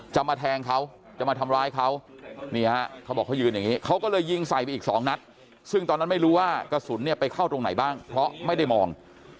มาแทงเขาจะมาทำร้ายเขานี่ฮะเขาบอกเขายืนอย่างนี้เขาก็เลยยิงใส่ไปอีกสองนัดซึ่งตอนนั้นไม่รู้ว่ากระสุนเนี่ยไปเข้าตรงไหนบ้างเพราะไม่ได้มอง